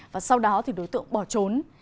và sau đó thì đối tượng bỏ trốn